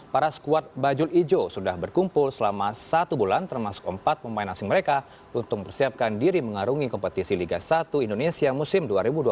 para squad bajul ijo sudah berkumpul selama satu bulan termasuk empat pemain asing mereka untuk mempersiapkan diri mengarungi kompetisi liga satu indonesia musim dua ribu dua puluh tiga